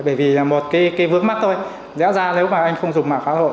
bởi vì một vướng mắt tôi đã ra nếu mà anh không dùng mạng xã hội